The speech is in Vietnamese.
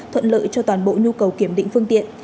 thuận lợi cho toàn bộ nhu cầu kiểm định phương tiện